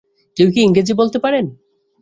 কেউ কি ইংরেজি বলতে পারেন?